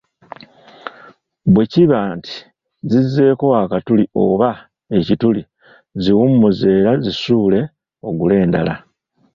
Bwe kiba nti zizzeeko akatuli oba ekituli ziwummuze era zisuule ogule endala.